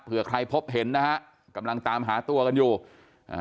เพื่อใครพบเห็นนะฮะกำลังตามหาตัวกันอยู่อ่า